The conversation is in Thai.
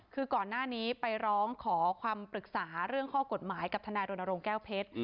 คือก่อนหน้านี้ไปร้องขอความปรึกษาเรื่องข้อกฎหมายกับทนายรณรงค์แก้วเพชร